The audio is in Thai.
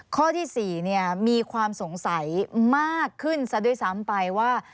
ข้อที่๔มีความสงสัยมากขึ้นซะด้วยซ้ำไปว่า